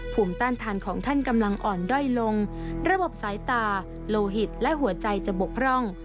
ภูมิต้านทานของท่านกำลังอ่อนด้อยลงระบบสายตาโลหิตและหัวใจจะบกพร่อง